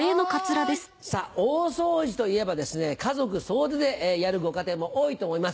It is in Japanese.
さあ、大掃除といえば家族総出でやるご家庭も多いと思います。